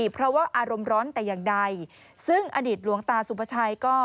เพราะว่าอารมณ์ร้อนแต่อย่างใดซึ่งอดีตหลวงตาสุภาชัยก็